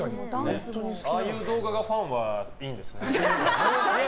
ああいう動画がファンはいいんですね。